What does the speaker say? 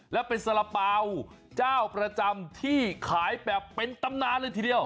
และเป็นสาระเป๋าเจ้าประจำที่ขายแบบเป็นตำนานเลยทีเดียว